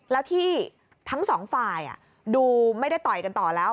แล้วที่ทั้งสองฝ่ายดูไม่ได้ต่อยกันต่อแล้ว